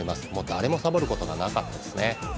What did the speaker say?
誰もサボることがなかったですね。